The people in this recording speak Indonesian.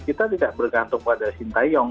kita tidak bergantung pada sintayong